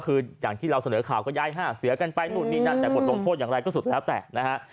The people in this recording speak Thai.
ก็คือจากที่เราเสนอข่าวก็ย้ายห้าเสือกันไปแต่บทโรงโทษอย่างไรก็สุดแล้วแต่นะฮะ